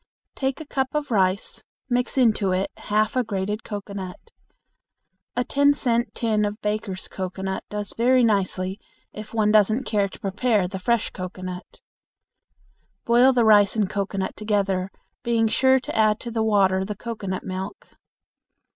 Take a cup of rice, mix it into half a grated cocoanut. A ten cent tin of Baker's cocoanut does very nicely if one doesn't care to prepare the fresh cocoanut. Boil the rice and cocoanut together, being sure to add to the water the cocoanut milk.